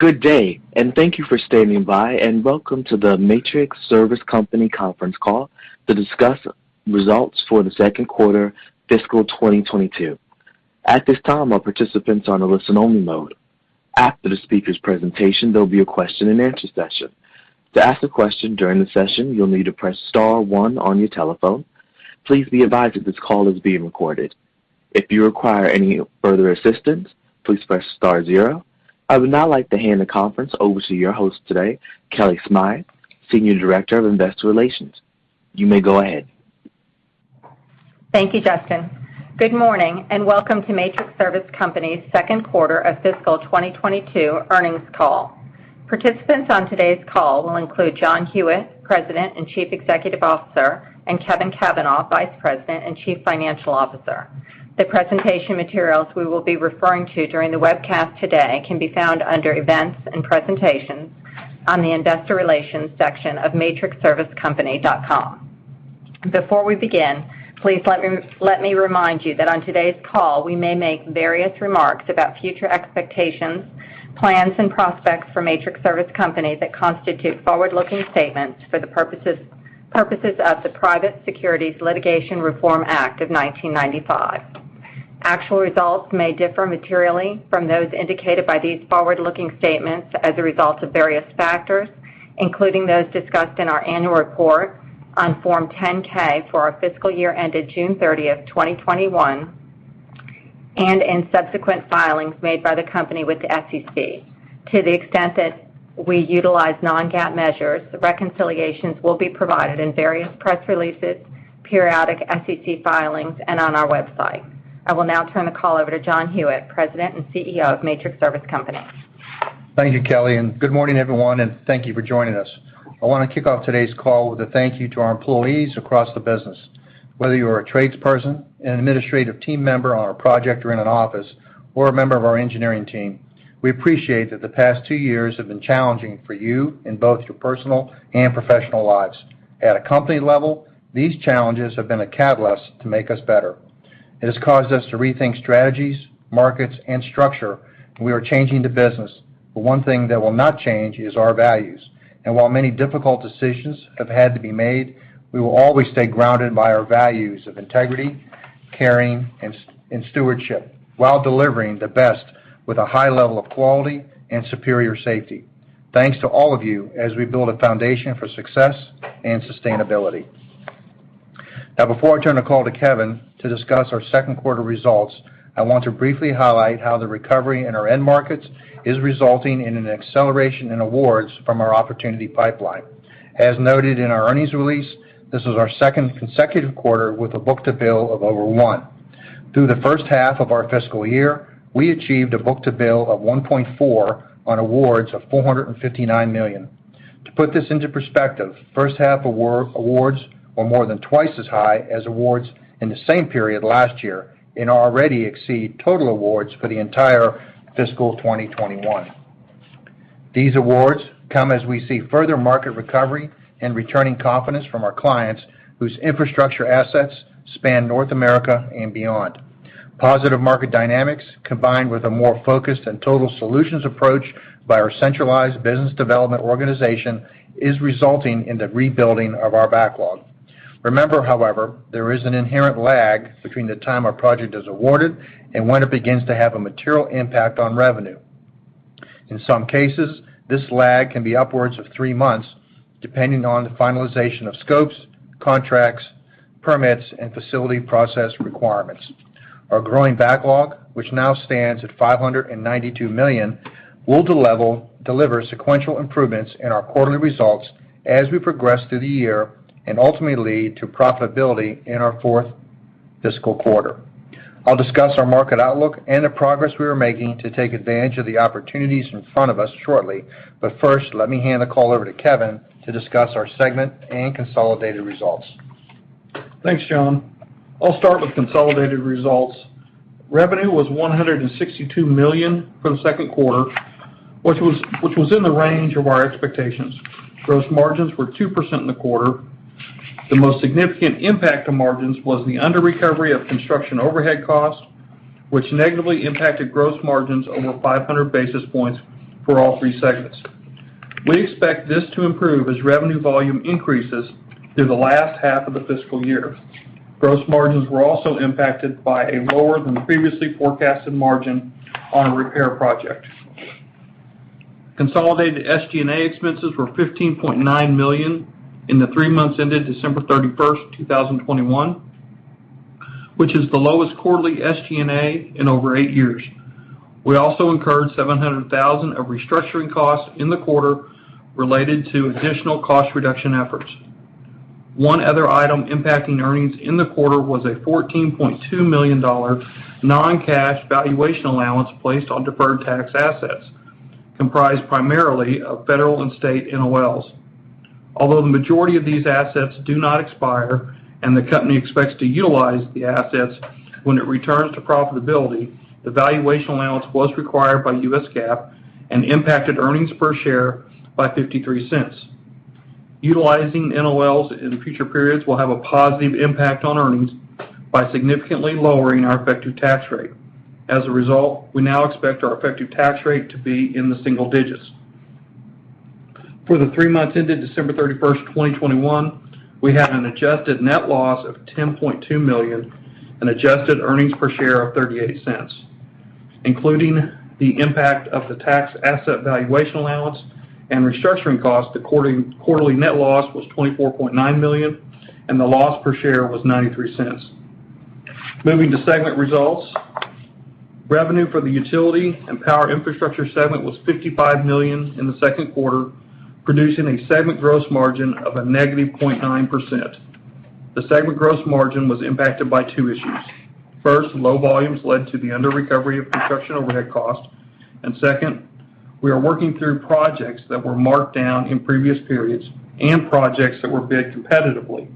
Good day, and thank you for standing by, and welcome to the Matrix Service Company conference call to discuss results for the second quarter fiscal 2022. At this time, all participants are on a listen only mode. After the speaker's presentation, there'll be a Q&A session. To ask a question during the session, you'll need to press star one on your telephone. Please be advised that this call is being recorded. If you require any further assistance, please press star zero. I would now like to hand the conference over to your host today, Kellie Smythe, Senior Director of Investor Relations. You may go ahead. Thank you, Justin. Good morning and welcome to Matrix Service Company's second quarter of fiscal 2022 earnings call. Participants on today's call will include John Hewitt, President and Chief Executive Officer, and Kevin Cavanah, Vice President and Chief Financial Officer. The presentation materials we will be referring to during the webcast today can be found under Events and Presentations on the Investor Relations section of matrixservicecompany.com. Before we begin, please let me remind you that on today's call we may make various remarks about future expectations, plans and prospects for Matrix Service Company that constitute forward-looking statements for the purposes of the Private Securities Litigation Reform Act of 1995. Actual results may differ materially from those indicated by these forward-looking statements as a result of various factors, including those discussed in our annual report on Form 10-K for our fiscal year ended June 30th, 2021, and in subsequent filings made by the company with the SEC. To the extent that we utilize non-GAAP measures, the reconciliations will be provided in various press releases, periodic SEC filings, and on our website. I will now turn the call over to John Hewitt, President and CEO of Matrix Service Company. Thank you, Kellie, and good morning, everyone, and thank you for joining us. I want to kick off today's call with a thank you to our employees across the business. Whether you are a tradesperson, an administrative team member on a project or in an office, or a member of our engineering team, we appreciate that the past two years have been challenging for you in both your personal and professional lives. At a company level, these challenges have been a catalyst to make us better. It has caused us to rethink strategies, markets, and structure, and we are changing the business. But one thing that will not change is our values. While many difficult decisions have had to be made, we will always stay grounded by our values of integrity, caring, and stewardship while delivering the best with a high level of quality and superior safety. Thanks to all of you as we build a foundation for success and sustainability. Now, before I turn the call to Kevin to discuss our second quarter results, I want to briefly highlight how the recovery in our end markets is resulting in an acceleration in awards from our opportunity pipeline. As noted in our earnings release, this is our second consecutive quarter with a book-to-bill of over one. Through the first half of our fiscal year, we achieved a book-to-bill of 1.4 on awards of $459 million. To put this into perspective, first half awards were more than twice as high as awards in the same period last year and already exceed total awards for the entire fiscal 2021. These awards come as we see further market recovery and returning confidence from our clients whose infrastructure assets span North America and beyond. Positive market dynamics, combined with a more focused and total solutions approach by our centralized business development organization, is resulting in the rebuilding of our backlog. Remember, however, there is an inherent lag between the time a project is awarded and when it begins to have a material impact on revenue. In some cases, this lag can be upwards of three months, depending on the finalization of scopes, contracts, permits, and facility process requirements. Our growing backlog, which now stands at $592 million, will deliver sequential improvements in our quarterly results as we progress through the year and ultimately lead to profitability in our fourth fiscal quarter. I'll discuss our market outlook and the progress we are making to take advantage of the opportunities in front of us shortly. First, let me hand the call over to Kevin to discuss our segment and consolidated results. Thanks, John. I'll start with consolidated results. Revenue was $162 million for the second quarter, which was in the range of our expectations. Gross margins were 2% in the quarter. The most significant impact to margins was the under recovery of construction overhead costs, which negatively impacted gross margins over 500 basis points for all three segments. We expect this to improve as revenue volume increases through the last half of the fiscal year. Gross margins were also impacted by a lower than previously forecasted margin on a repair project. Consolidated SG&A expenses were $15.9 million in the three months ended December 31, 2021, which is the lowest quarterly SG&A in over eight years. We also incurred $700,000 of restructuring costs in the quarter related to additional cost reduction efforts. One other item impacting earnings in the quarter was a $14.2 million non-cash valuation allowance placed on deferred tax assets, comprised primarily of federal and state NOLs. Although the majority of these assets do not expire and the company expects to utilize the assets when it returns to profitability, the valuation allowance was required by U.S. GAAP and impacted earnings per share by $0.53. Utilizing NOLs in future periods will have a positive impact on earnings by significantly lowering our effective tax rate. As a result, we now expect our effective tax rate to be in the single digits. For the three months ended December 31st, 2021, we had an adjusted net loss of $10.2 million and adjusted earnings per share of $0.38. Including the impact of the tax asset valuation allowance and restructuring costs, the quarterly net loss was $24.9 million, and the loss per share was $0.93. Moving to segment results. Revenue for the Utility and Power Infrastructure segment was $55 million in the second quarter, producing a segment gross margin of -0.9%. The segment gross margin was impacted by two issues. First, low volumes led to the under recovery of construction overhead costs. Second, we are working through projects that were marked down in previous periods and projects that were bid competitively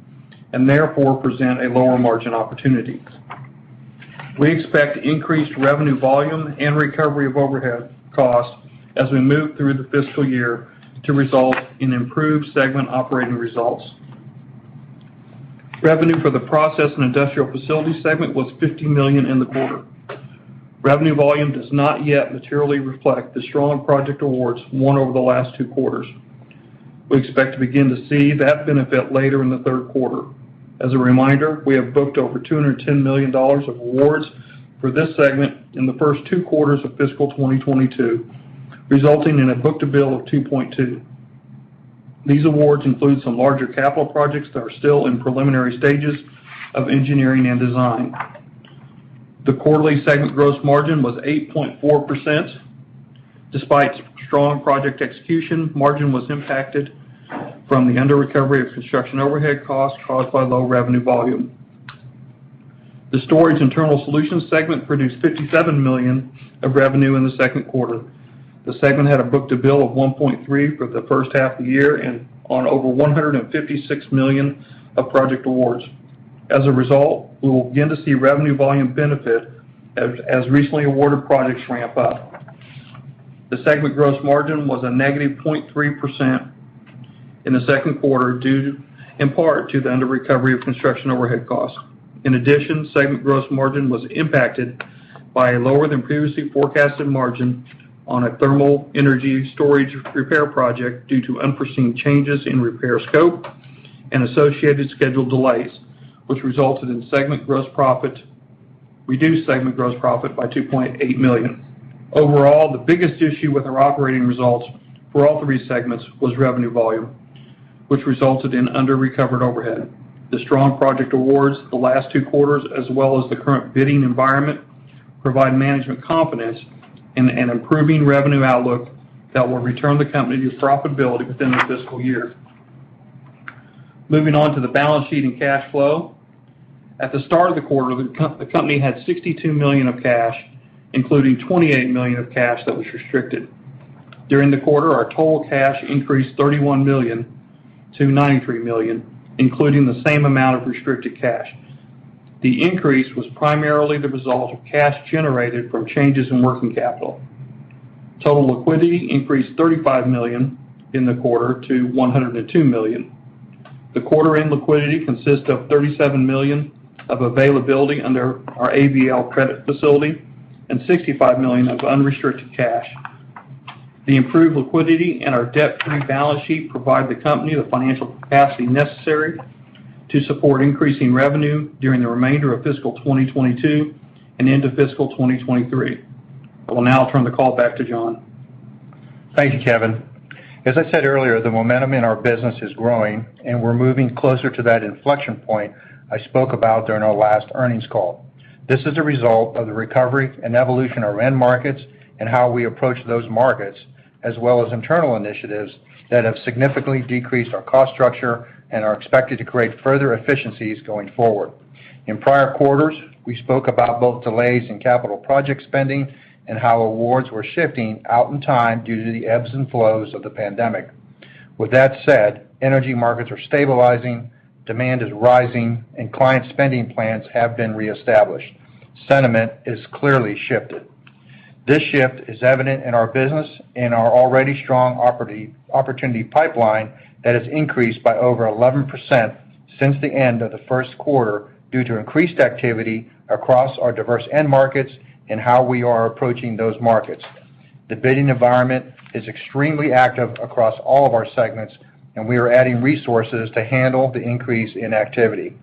and therefore present a lower margin opportunity. We expect increased revenue volume and recovery of overhead costs as we move through the fiscal year to result in improved segment operating results. Revenue for the Process and Industrial Facilities segment was $50 million in the quarter. Revenue volume does not yet materially reflect the strong project awards won over the last two quarters. We expect to begin to see that benefit later in the third quarter. As a reminder, we have booked over $210 million of awards for this segment in the first two quarters of fiscal 2022, resulting in a book-to-bill of 2.2. These awards include some larger capital projects that are still in preliminary stages of engineering and design. The quarterly segment gross margin was 8.4%. Despite strong project execution, margin was impacted from the under recovery of construction overhead costs caused by low revenue volume. The Storage and Terminal Solutions segment produced $57 million of revenue in the second quarter. The segment had a book-to-bill of 1.3 for the first half of the year and won over $156 million of project awards. As a result, we will begin to see revenue volume benefit as recently awarded projects ramp up. The segment gross margin was -0.3% in the second quarter, due in part to the under recovery of construction overhead costs. In addition, segment gross margin was impacted by a lower than previously forecasted margin on a thermal energy storage repair project due to unforeseen changes in repair scope and associated scheduled delays, which resulted in reduced segment gross profit by $2.8 million. Overall, the biggest issue with our operating results for all three segments was revenue volume, which resulted in under recovered overhead. The strong project awards the last two quarters, as well as the current bidding environment, provide management confidence in an improving revenue outlook that will return the company to profitability within the fiscal year. Moving on to the balance sheet and cash flow. At the start of the quarter, the company had $62 million of cash, including $28 million of cash that was restricted. During the quarter, our total cash increased $31 million-$93 million, including the same amount of restricted cash. The increase was primarily the result of cash generated from changes in working capital. Total liquidity increased $35 million in the quarter to $102 million. The quarter end liquidity consists of $37 million of availability under our ABL credit facility and $65 million of unrestricted cash. The improved liquidity and our debt-free balance sheet provide the company the financial capacity necessary to support increasing revenue during the remainder of fiscal 2022 and into fiscal 2023. I will now turn the call back to John. Thank you, Kevin. As I said earlier, the momentum in our business is growing, and we're moving closer to that inflection point I spoke about during our last earnings call. This is a result of the recovery and evolution of our end markets and how we approach those markets, as well as internal initiatives that have significantly decreased our cost structure and are expected to create further efficiencies going forward. In prior quarters, we spoke about both delays in capital project spending and how awards were shifting out in time due to the ebbs and flows of the pandemic. With that said, energy markets are stabilizing, demand is rising, and client spending plans have been reestablished. Sentiment is clearly shifted. This shift is evident in our business in our already strong opportunity pipeline that has increased by over 11% since the end of the first quarter due to increased activity across our diverse end markets and how we are approaching those markets. The bidding environment is extremely active across all of our segments, and we are adding resources to handle the increase in activity.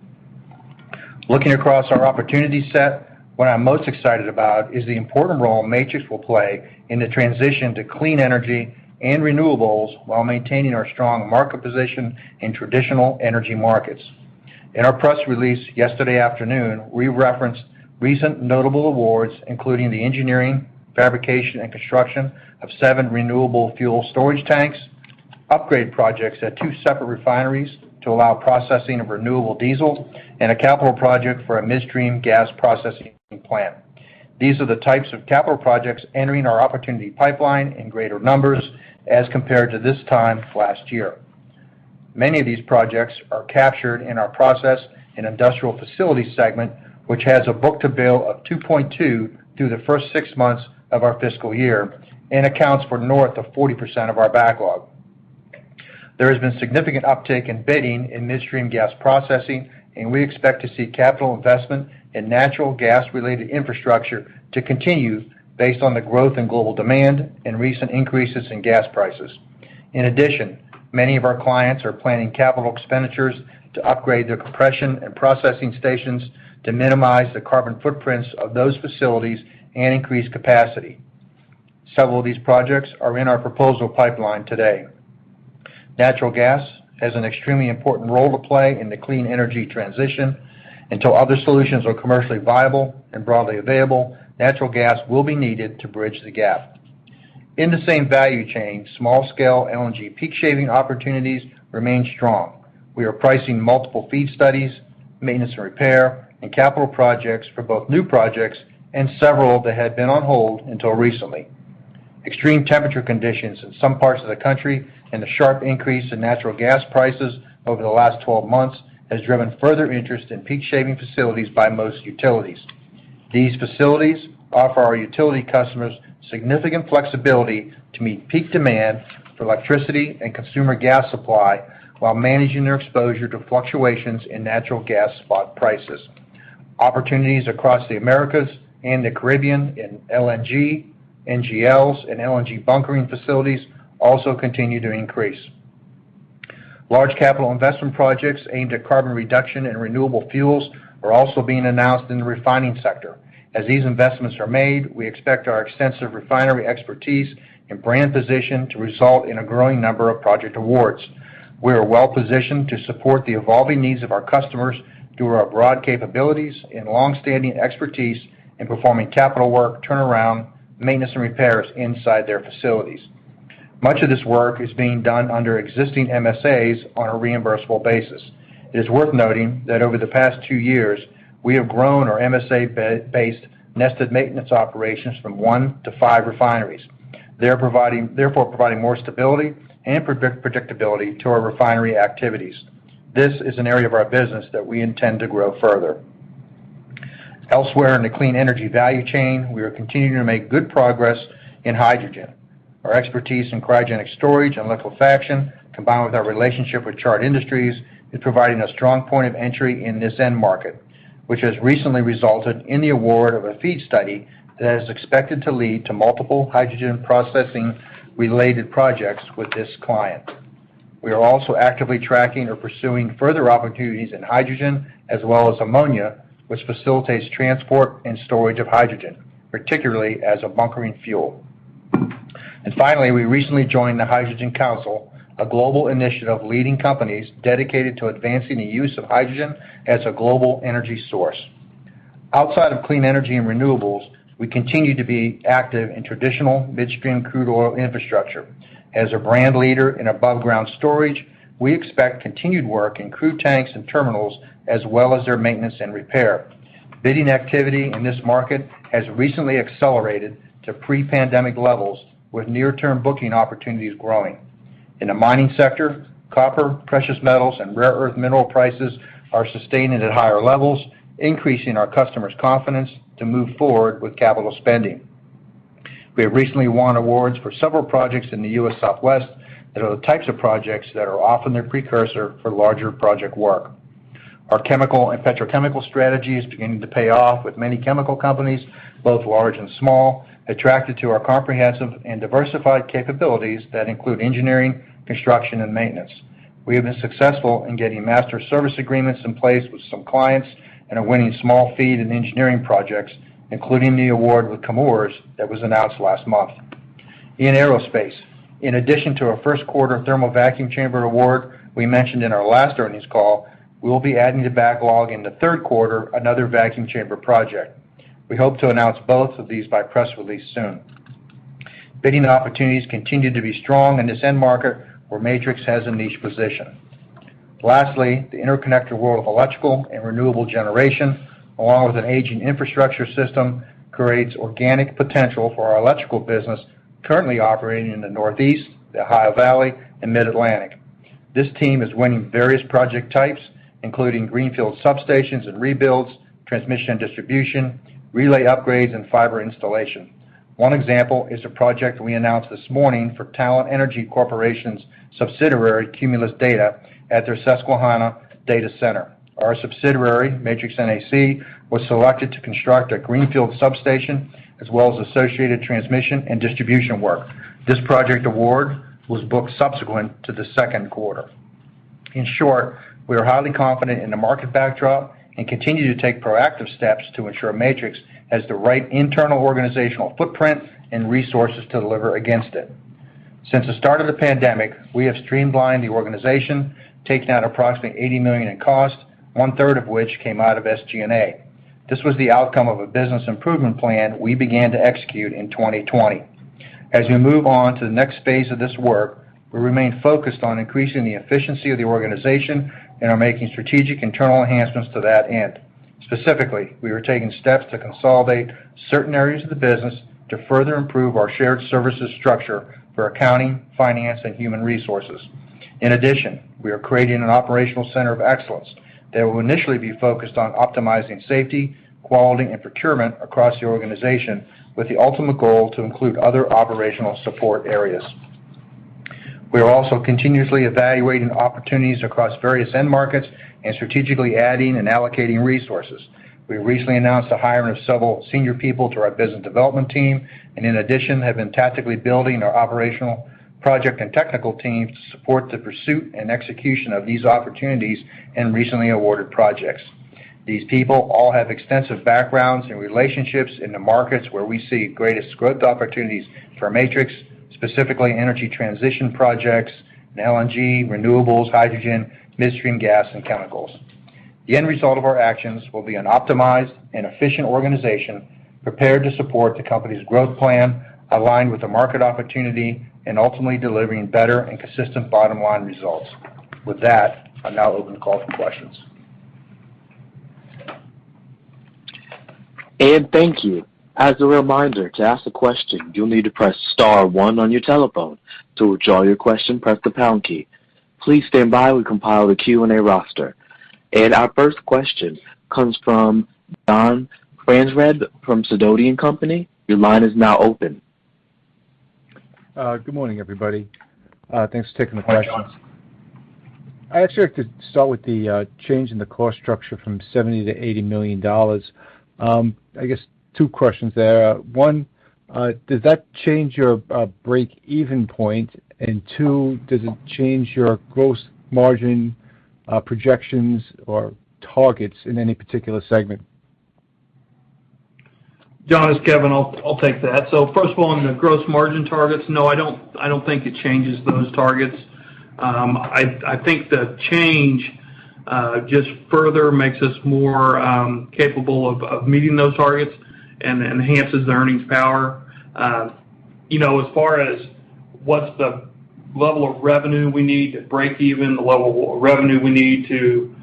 Looking across our opportunity set, what I'm most excited about is the important role Matrix will play in the transition to clean energy and renewables while maintaining our strong market position in traditional energy markets. In our press release yesterday afternoon, we referenced recent notable awards, including the engineering, fabrication, and construction of seven renewable fuel storage tanks, upgrade projects at two separate refineries to allow processing of renewable diesel, and a capital project for a midstream gas processing plant. These are the types of capital projects entering our opportunity pipeline in greater numbers as compared to this time last year. Many of these projects are captured in our Process and Industrial Facilities segment, which has a book-to-bill of 2.2 through the first six months of our fiscal year and accounts for north of 40% of our backlog. There has been significant uptake in bidding in midstream gas processing, and we expect to see capital investment in natural gas-related infrastructure to continue based on the growth in global demand and recent increases in gas prices. In addition, many of our clients are planning capital expenditures to upgrade their compression and processing stations to minimize the carbon footprints of those facilities and increase capacity. Several of these projects are in our proposal pipeline today. Natural gas has an extremely important role to play in the clean energy transition. Until other solutions are commercially viable and broadly available, natural gas will be needed to bridge the gap. In the same value chain, small-scale LNG peak shaving opportunities remain strong. We are pricing multiple feed studies, maintenance and repair, and capital projects for both new projects and several that had been on hold until recently. Extreme temperature conditions in some parts of the country and the sharp increase in natural gas prices over the last 12 months has driven further interest in peak shaving facilities by most utilities. These facilities offer our utility customers significant flexibility to meet peak demand for electricity and consumer gas supply while managing their exposure to fluctuations in natural gas spot prices. Opportunities across the Americas and the Caribbean in LNG, NGLs, and LNG bunkering facilities also continue to increase. Large capital investment projects aimed at carbon reduction and renewable fuels are also being announced in the refining sector. As these investments are made, we expect our extensive refinery expertise and brand position to result in a growing number of project awards. We are well-positioned to support the evolving needs of our customers through our broad capabilities and long-standing expertise in performing capital work, turnaround, maintenance, and repairs inside their facilities. Much of this work is being done under existing MSAs on a reimbursable basis. It is worth noting that over the past two years, we have grown our MSA-based nested maintenance operations from one to five refineries. They're providing therefore, providing more stability and predictability to our refinery activities. This is an area of our business that we intend to grow further. Elsewhere in the clean energy value chain, we are continuing to make good progress in hydrogen. Our expertise in cryogenic storage and liquefaction, combined with our relationship with Chart Industries, is providing a strong point of entry in this end market, which has recently resulted in the award of a feed study that is expected to lead to multiple hydrogen processing-related projects with this client. We are also actively tracking or pursuing further opportunities in hydrogen as well as ammonia, which facilitates transport and storage of hydrogen, particularly as a bunkering fuel. Finally, we recently joined the Hydrogen Council, a global initiative of leading companies dedicated to advancing the use of hydrogen as a global energy source. Outside of clean energy and renewables, we continue to be active in traditional midstream crude oil infrastructure. As a brand leader in above-ground storage, we expect continued work in crude tanks and terminals, as well as their maintenance and repair. Bidding activity in this market has recently accelerated to pre-pandemic levels, with near-term booking opportunities growing. In the mining sector, copper, precious metals, and rare earth mineral prices are sustaining at higher levels, increasing our customers' confidence to move forward with capital spending. We have recently won awards for several projects in the U.S. Southwest that are the types of projects that are often their precursor for larger project work. Our chemical and petrochemical strategy is beginning to pay off with many chemical companies, both large and small, attracted to our comprehensive and diversified capabilities that include engineering, construction, and maintenance. We have been successful in getting master service agreements in place with some clients and are winning small FEED and engineering projects, including the award with Chemours that was announced last month. In aerospace, in addition to our first quarter thermal vacuum chamber award we mentioned in our last earnings call, we will be adding to backlog in the third quarter another vacuum chamber project. We hope to announce both of these by press release soon. Bidding opportunities continue to be strong in this end market where Matrix has a niche position. Lastly, the interconnector world of electrical and renewable generation, along with an aging infrastructure system, creates organic potential for our electrical business currently operating in the Northeast, the Ohio Valley, and Mid-Atlantic. This team is winning various project types, including greenfield substations and rebuilds, transmission and distribution, relay upgrades, and fiber installation. One example is a project we announced this morning for Talen Energy Corporation subsidiary, Cumulus Data, at their Susquehanna Data Center. Our subsidiary, Matrix NAC, was selected to construct a greenfield substation as well as associated transmission and distribution work. This project award was booked subsequent to the second quarter. In short, we are highly confident in the market backdrop and continue to take proactive steps to ensure Matrix has the right internal organizational footprint and resources to deliver against it. Since the start of the pandemic, we have streamlined the organization, taken out approximately $80 million in cost, one-third of which came out of SG&A. This was the outcome of a business improvement plan we began to execute in 2020. As we move on to the next phase of this work, we remain focused on increasing the efficiency of the organization and are making strategic internal enhancements to that end. Specifically, we are taking steps to consolidate certain areas of the business to further improve our shared services structure for accounting, finance, and human resources. In addition, we are creating an operational center of excellence that will initially be focused on optimizing safety, quality, and procurement across the organization with the ultimate goal to include other operational support areas. We are also continuously evaluating opportunities across various end markets and strategically adding and allocating resources. We recently announced the hiring of several senior people to our business development team, and in addition, have been tactically building our operational project and technical teams to support the pursuit and execution of these opportunities and recently awarded projects. These people all have extensive backgrounds and relationships in the markets where we see greatest growth opportunities for Matrix, specifically energy transition projects, LNG, renewables, hydrogen, midstream gas and chemicals. The end result of our actions will be an optimized and efficient organization prepared to support the company's growth plan, aligned with the market opportunity and ultimately delivering better and consistent bottom-line results. With that, I'll now open the call for questions. Thank you. As a reminder, to ask a question, you'll need to press star one on your telephone. To withdraw your question, press the pound key. Please stand by. We compile the Q&A roster. Our first question comes from John Franzreb from Sidoti & Company. Your line is now open. Good morning, everybody. Thanks for taking the questions. Hi, John. I actually like to start with the change in the cost structure from $70 million-$80 million. I guess two questions there. One, does that change your break-even point? Two, does it change your gross margin projections or targets in any particular segment? John, it's Kevin. I'll take that. First of all, on the gross margin targets, no, I don't think it changes those targets. I think the change just further makes us more capable of meeting those targets and enhances the earnings power. You know, as far as what's the level of revenue we need to break even, the level of revenue we need to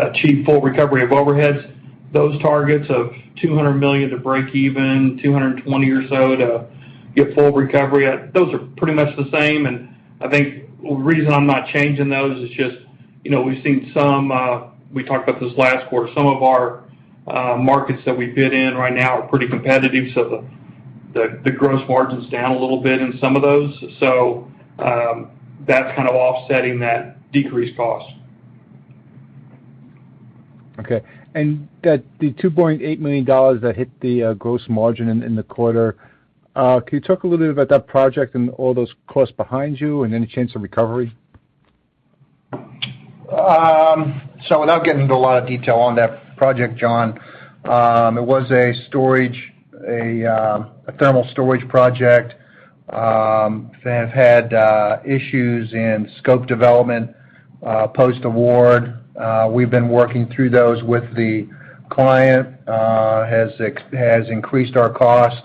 achieve full recovery of overheads, those targets of $200 million to break even, $220 million or so to get full recovery, those are pretty much the same. I think the reason I'm not changing those is just, you know, we've seen some, we talked about this last quarter. Some of our markets that we bid in right now are pretty competitive, so the gross margin's down a little bit in some of those. That's kind of offsetting that decreased cost. Okay. The $2.8 million that hit the gross margin in the quarter, can you talk a little bit about that project and all those costs behind you and any chance of recovery? Without getting into a lot of detail on that project, John, it was a thermal storage project that have had issues in scope development post-award. We've been working through those with the client, has increased our cost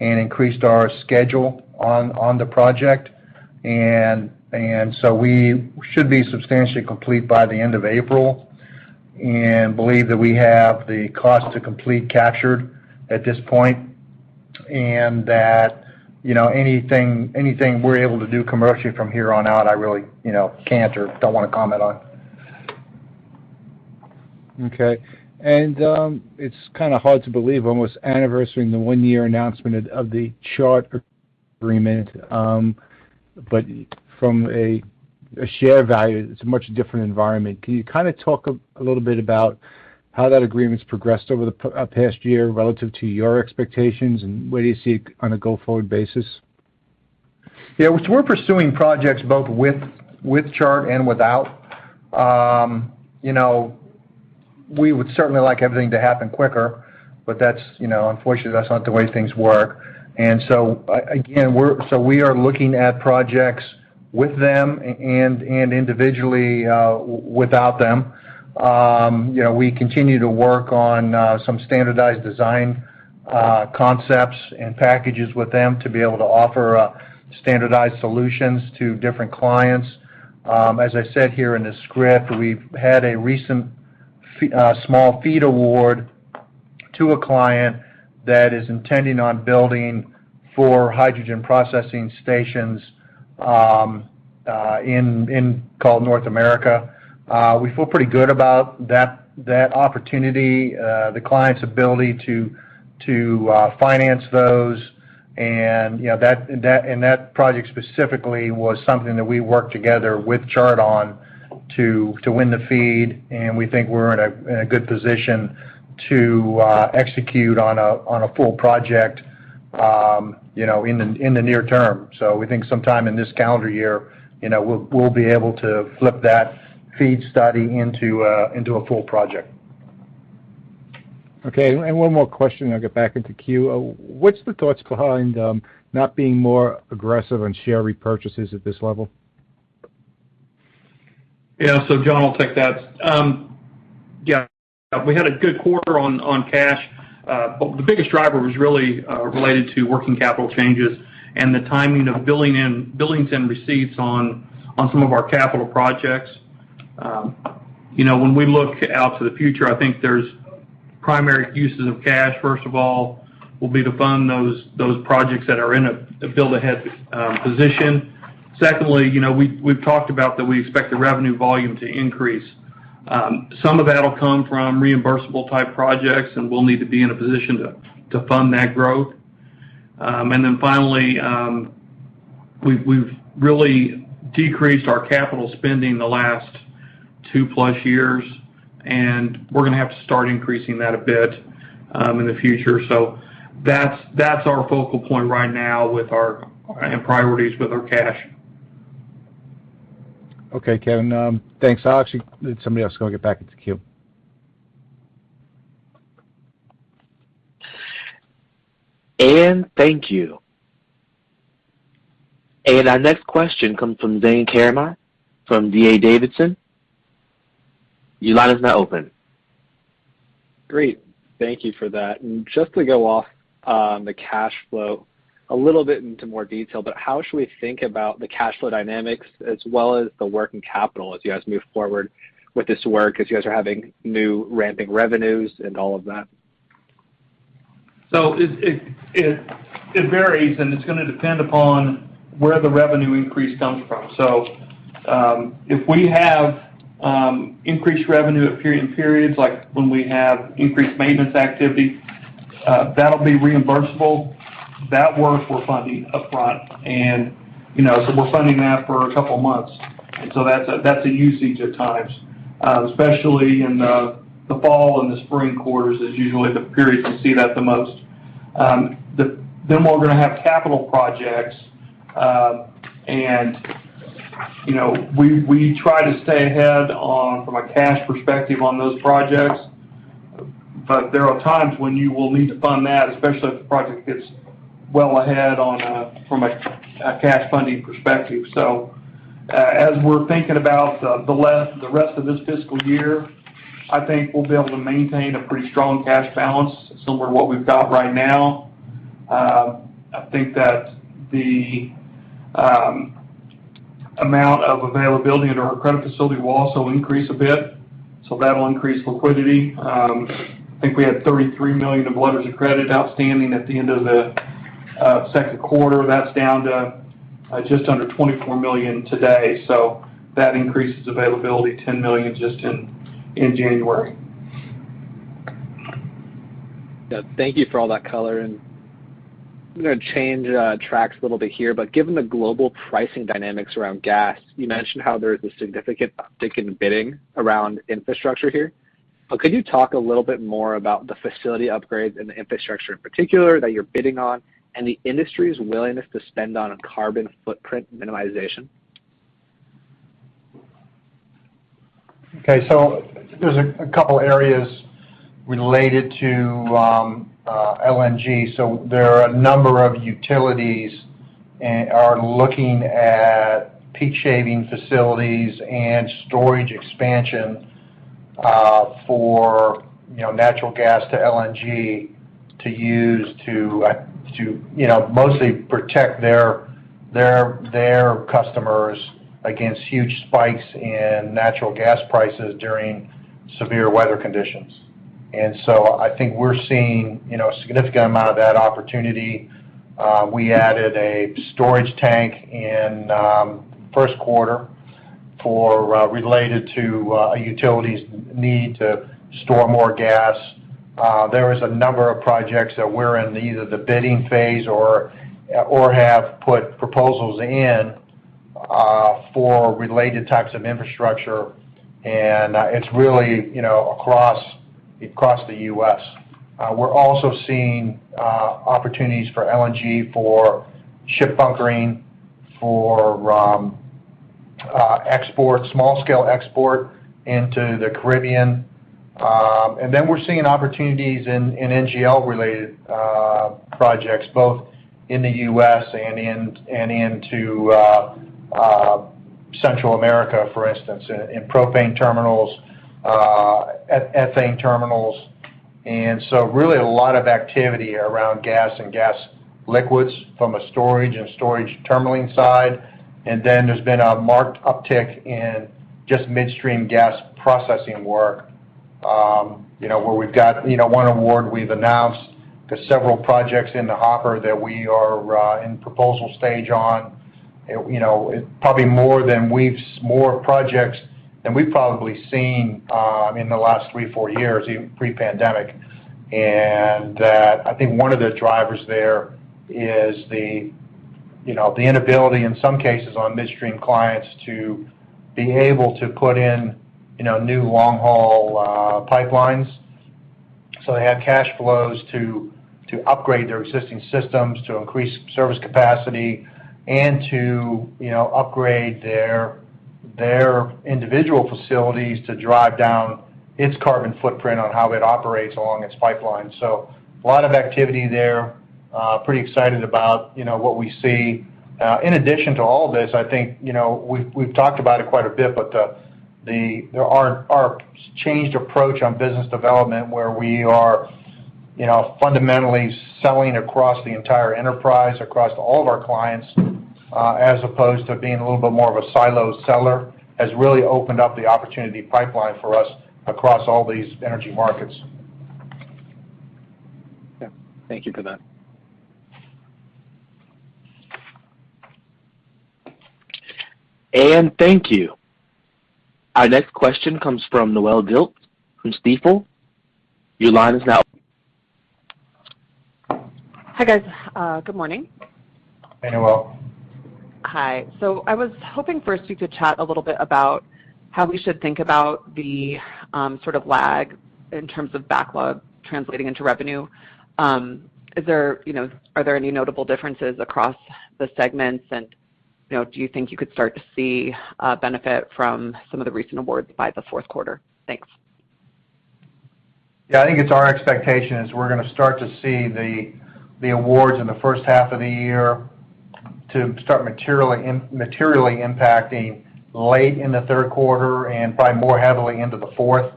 and increased our schedule on the project. We should be substantially complete by the end of April and believe that we have the cost to complete captured at this point. You know, anything we're able to do commercially from here on out, I really, you know, can't or don't wanna comment on. Okay. It's kinda hard to believe, almost at the one-year anniversary of the announcement of the Chart agreement, but from a share value, it's a much different environment. Can you kinda talk a little bit about how that agreement's progressed over the past year relative to your expectations, and where do you see it on a go-forward basis? Yeah. We're pursuing projects both with Chart and without. You know, we would certainly like everything to happen quicker, but that's, unfortunately, that's not the way things work. So we are looking at projects with them and individually without them. You know, we continue to work on some standardized design concepts and packages with them to be able to offer standardized solutions to different clients. As I said here in the script, we've had a recent small FEED award to a client that is intending on building four hydrogen processing stations in North America. We feel pretty good about that opportunity, the client's ability to finance those. You know, that project specifically was something that we worked together with Chart on to win the FEED, and we think we're in a good position to execute on a full project, you know, in the near term. We think sometime in this calendar year, you know, we'll be able to flip that FEED study into a full project. Okay. One more question, I'll get back into queue. What's the thoughts behind, not being more aggressive on share repurchases at this level? John, I'll take that. We had a good quarter on cash. But the biggest driver was really related to working capital changes and the timing of billings and receipts on some of our capital projects. You know, when we look out to the future, I think the primary uses of cash, first of all, will be to fund those projects that are in a build-ahead position. Secondly, you know, we've talked about that we expect the revenue volume to increase. Some of that'll come from reimbursable type projects, and we'll need to be in a position to fund that growth. Finally, we've really decreased our capital spending the last 2+ years, and we're gonna have to start increasing that a bit in the future. That's our focal point right now with our and priorities with our cash. Okay, Kevin. Thanks. I'll actually let somebody else go get back into queue. Thank you. Our next question comes from Brent Thielman from D.A. Davidson. Your line is now open. Great. Thank you for that. Just to go off the cash flow a little bit into more detail, but how should we think about the cash flow dynamics as well as the working capital as you guys move forward with this work as you guys are having new ramping revenues and all of that? It varies, and it's gonna depend upon where the revenue increase comes from. If we have increased revenue in periods like when we have increased maintenance activity, that'll be reimbursable. That work we're funding upfront and, you know, we're funding that for a couple of months. That's a usage at times, especially in the fall and the spring quarters, which is usually the period you see that the most. Then we're gonna have capital projects, and, you know, we try to stay ahead on from a cash perspective on those projects. There are times when you will need to fund that, especially if the project gets well ahead from a cash funding perspective. As we're thinking about the rest of this fiscal year, I think we'll be able to maintain a pretty strong cash balance similar to what we've got right now. I think that the amount of availability into our credit facility will also increase a bit, so that'll increase liquidity. I think we had $33 million of letters of credit outstanding at the end of the second quarter. That's down to just under $24 million today. That increases availability $10 million just in January. Yeah. Thank you for all that color. I'm gonna change tracks a little bit here. Given the global pricing dynamics around gas, you mentioned how there is a significant uptick in bidding around infrastructure here. Could you talk a little bit more about the facility upgrades and the infrastructure in particular that you're bidding on and the industry's willingness to spend on a carbon footprint minimization? Okay. There's a couple areas related to LNG. There are a number of utilities are looking at peak shaving facilities and storage expansion for, you know, natural gas to LNG to use to, you know, mostly protect their customers against huge spikes in natural gas prices during severe weather conditions. I think we're seeing, you know, a significant amount of that opportunity. We added a storage tank in first quarter for related to a utility's need to store more gas. There is a number of projects that we're in either the bidding phase or have put proposals in for related types of infrastructure. It's really, you know, across the U.S. We're also seeing opportunities for LNG, for ship bunkering, for small scale export into the Caribbean. We're seeing opportunities in NGL related projects both in the U.S. and into Central America, for instance, in propane terminals, ethane terminals. Really a lot of activity around gas and gas liquids from a storage and terminaling side. There's been a marked uptick in just midstream gas processing work, you know, where we've got, you know, one award we've announced. There's several projects in the hopper that we are in proposal stage on. You know, probably more projects than we've probably seen in the last three, four years, even pre-pandemic. that I think one of the drivers there is the, you know, the inability in some cases on midstream clients to be able to put in, you know, new long haul pipelines. They have cash flows to upgrade their existing systems, to increase service capacity and to, you know, upgrade their individual facilities to drive down its carbon footprint on how it operates along its pipeline. A lot of activity there. Pretty excited about, you know, what we see. In addition to all this, I think, you know, we've talked about it quite a bit, our changed approach on business development where we are, you know, fundamentally selling across the entire enterprise, across all of our clients, as opposed to being a little bit more of a siloed seller, has really opened up the opportunity pipeline for us across all these energy markets. Yeah. Thank you for that. Anne, thank you. Our next question comes from Noelle Dilts from Stifel. Your line is now Hi, guys. Good morning. Hey, Noelle. Hi. I was hoping first you could chat a little bit about how we should think about the sort of lag in terms of backlog translating into revenue. Are there any notable differences across the segments and, you know, do you think you could start to see benefit from some of the recent awards by the fourth quarter? Thanks. Yeah. I think it's our expectation is we're gonna start to see the awards in the first half of the year to start materially impacting late in the third quarter and probably more heavily into the fourth.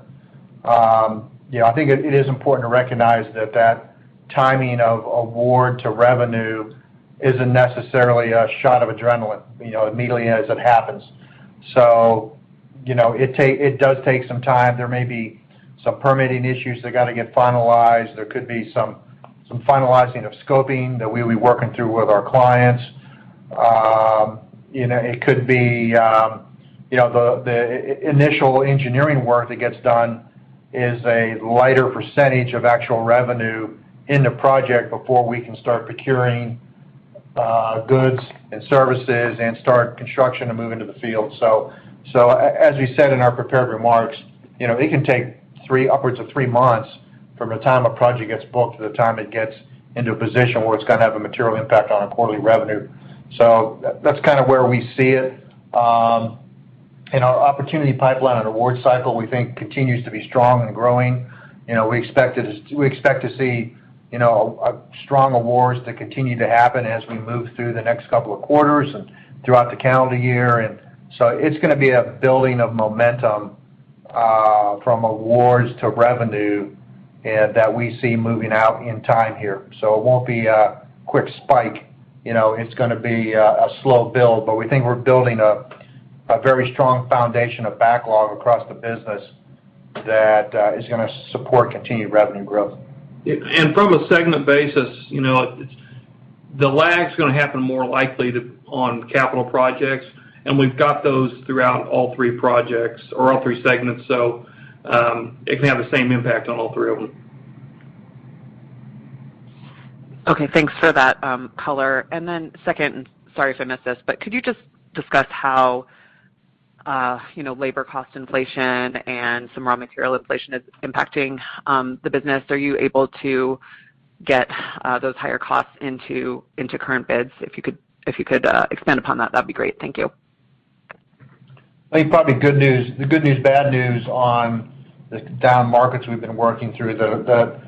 You know, I think it is important to recognize that timing of award to revenue isn't necessarily a shot of adrenaline, you know, immediately as it happens. You know, it does take some time. There may be some permitting issues that gotta get finalized. There could be some finalizing of scoping that we'll be working through with our clients. You know, it could be, you know, the initial engineering work that gets done is a lighter percentage of actual revenue in the project before we can start procuring goods and services and start construction and move into the field. As we said in our prepared remarks, you know, it can take upwards of three months from the time a project gets booked to the time it gets into a position where it's gonna have a material impact on our quarterly revenue. That's kinda where we see it. Our opportunity pipeline and award cycle, we think, continues to be strong and growing. You know, we expect to see, you know, strong awards that continue to happen as we move through the next couple of quarters and throughout the calendar year. It's gonna be a building of momentum, from awards to revenue and that we see moving out in time here. It won't be a quick spike. You know, it's gonna be a slow build. We think we're building a very strong foundation of backlog across the business that is gonna support continued revenue growth. From a segment basis, you know, it's the lag's gonna happen more likely on capital projects, and we've got those throughout all three projects or all three segments. It can have the same impact on all three of them. Okay. Thanks for that, color. Second, sorry if I missed this, but could you just discuss how, you know, labor cost inflation and some raw material inflation is impacting the business? Are you able to get those higher costs into current bids? If you could expand upon that'd be great. Thank you. I think probably good news. The good news, bad news on the down markets we've been working through the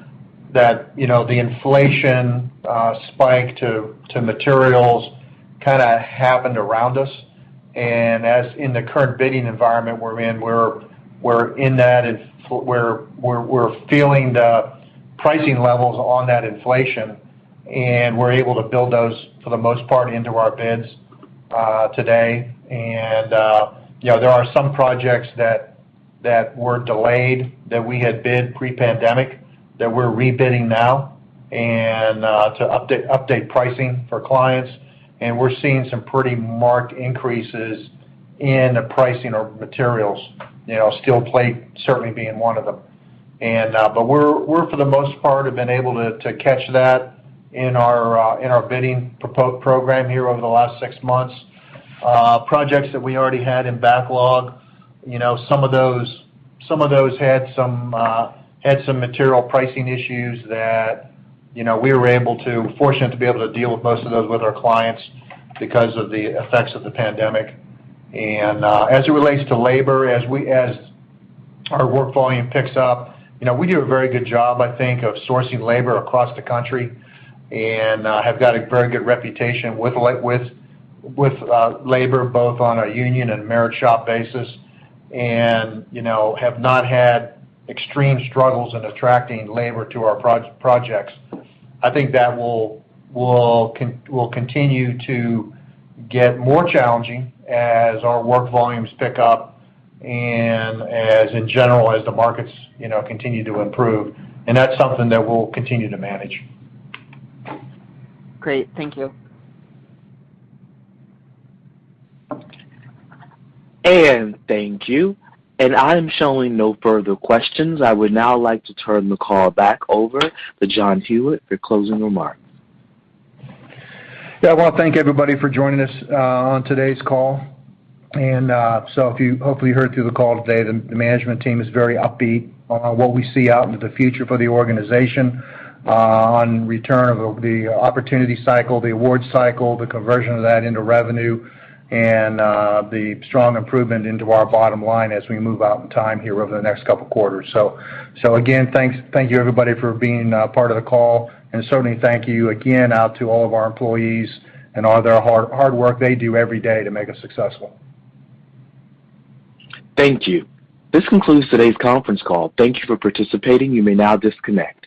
you know the inflation spike to materials kinda happened around us. As in the current bidding environment we're in, we're feeling the pricing levels on that inflation, and we're able to build those, for the most part, into our bids today. You know, there are some projects that were delayed that we had bid pre-pandemic that we're rebidding now and to update pricing for clients. We're seeing some pretty marked increases in the pricing of materials. You know, steel plate certainly being one of them. We have, for the most part, been able to catch that in our bidding program here over the last six months. Projects that we already had in backlog, you know, some of those had some material pricing issues that, you know, we were fortunate to be able to deal with most of those with our clients because of the effects of the pandemic. As it relates to labor, as our work volume picks up, you know, we do a very good job, I think, of sourcing labor across the country and have got a very good reputation with labor, both on a union and merit shop basis. You know, we have not had extreme struggles in attracting labor to our projects. I think that will continue to get more challenging as our work volumes pick up and as in general, as the markets, you know, continue to improve. That's something that we'll continue to manage. Great. Thank you. Anne, thank you. I'm showing no further questions. I would now like to turn the call back over to John Hewitt for closing remarks. Yeah. Well, thank you, everybody, for joining us on today's call. Hopefully you heard through the call today, the management team is very upbeat on what we see out into the future for the organization on return of the opportunity cycle, the award cycle, the conversion of that into revenue and the strong improvement into our bottom line as we move out in time here over the next couple quarters. Again, thank you, everybody, for being part of the call. Certainly thank you again out to all of our employees and all their hard work they do every day to make us successful. Thank you. This concludes today's conference call. Thank you for participating. You may now disconnect.